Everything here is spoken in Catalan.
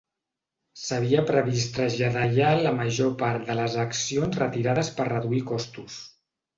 S'havia previst traslladar allà la major part de les accions retirades per reduir costos.